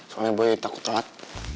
soalnya boy takut rot